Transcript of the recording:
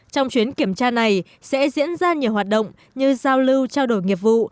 trong chuyến kiểm tra này sẽ diễn ra nhiều hoạt động như giao lưu trao đổi nghiệp vụ